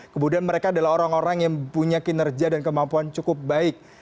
kemudian mereka adalah orang orang yang punya kinerja dan kemampuan cukup baik